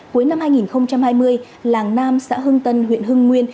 cuối năm hai nghìn hai mươi làng nam xã hưng tân huyện hưng nguyên